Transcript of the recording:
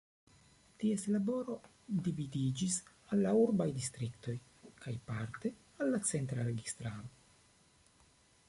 Ties laboro dividiĝis al la urbaj distriktoj kaj parte al la centra registaro.